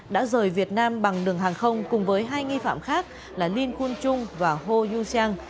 đã rời việt nam bằng đường hàng không cùng với hai nghi phạm khác là linh khun trung và hồ du seng